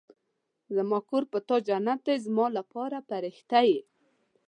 زما کور په تا جنت دی زما لپاره فرښته يې